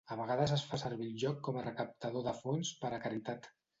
A vegades es fa servir el joc com a recaptador de fons per a caritat.